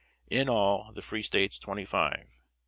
In all the free States twenty five.